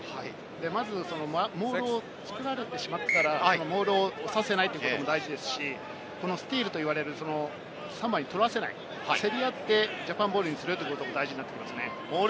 まずモールを作られてしまったら、モールをさせないというのも大事ですし、スティールといわれるサモアに取らせない、競り合ってジャパンボールにするというのが大事になってきますね。